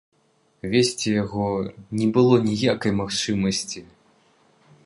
Весці яго не было ніякай магчымасці.